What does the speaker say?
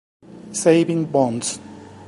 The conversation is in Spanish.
Savings Bonds".